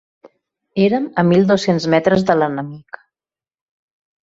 Érem a mil dos-cents metres de l'enemic.